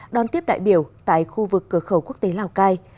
đón tiếp đại biểu tại khu vực cửa khẩu quốc tế lào cai